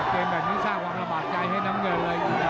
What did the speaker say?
เป็นแบบนี้สร้างความระบาดใจให้น้ำเงินเลย